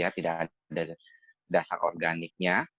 tidak ada dasar organiknya